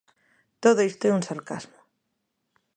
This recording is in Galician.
Todo isto é un sarcasmo.